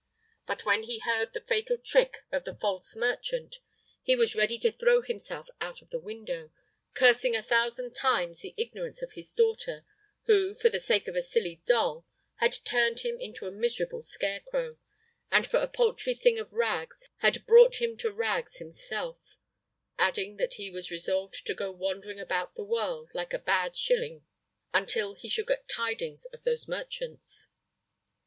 But when he heard the fatal trick of the false merchant, he was ready to throw himself out of the window, cursing a thousand times the ignorance of his daughter, who, for the sake of a silly doll, had turned him into a miserable scarecrow, and for a paltry thing of rags had brought him to rags himself, adding that he was resolved to go wandering about the world, like a bad shilling, until he should get tidings of those merchants.